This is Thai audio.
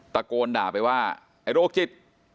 ตะโกนด่าไปว่าไอ้โรคจิต